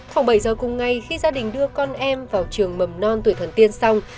khoảng bảy h cùng ngày khi gia đình đưa con em vào trường mầm non tuổi thần tiên xong